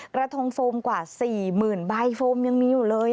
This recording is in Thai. กระทงโฟมกว่า๔๐๐๐ใบโฟมยังมีอยู่เลย